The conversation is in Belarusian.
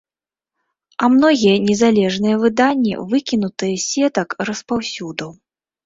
А многія незалежныя выданні выкінутыя з сетак распаўсюду.